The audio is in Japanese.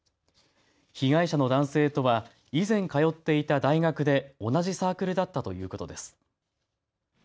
被害者の男性とは以前通っていた大学で同じサークルだったということです。